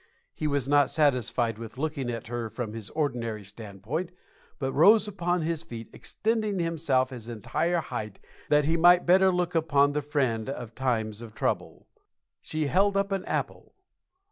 He was not satisfied with looking at her from his ordinary standpoint, but rose upon his feet, extending himself his entire height, that he might better look upon the friend of times of trouble. She held up an apple.